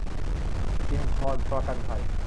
อินทรประกันภัย